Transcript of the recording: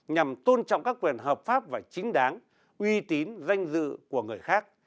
nhằm tôn trọng các quyền hợp pháp và chính đáng uy tín danh dự của người khác